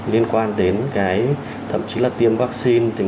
liên quan đến cái thậm chí là tiêm vaccine